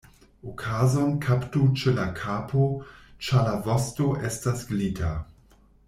Okazon kaptu ĉe la kapo, ĉar la vosto estas glita.